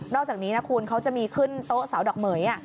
อกจากนี้นะคุณเขาจะมีขึ้นโต๊ะสาวดอกเหม๋ย